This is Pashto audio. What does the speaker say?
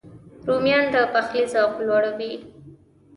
رومیان د پخلي ذوق لوړوي